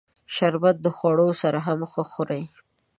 شربت د خوړو سره هم ښه خوري